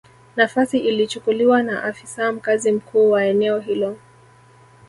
Nafasi ilichukuliwa na afisa mkazi mkuu wa eneo hilo